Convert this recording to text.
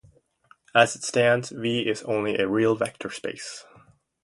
As it stands, "V" is only a real vector space.